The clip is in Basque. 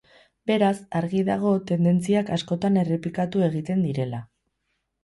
Beraz, argi dago tendentziak askotan errepikatu egiten direla.